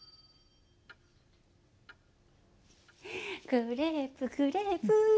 クレープクレープ！